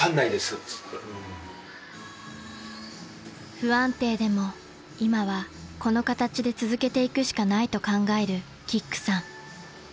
［不安定でも今はこの形で続けていくしかないと考えるキックさん］